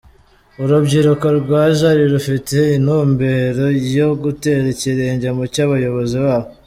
Urubyiruko rwa Jari rufite intumbero yo gutera ikirenge mu cy’abayobozi babo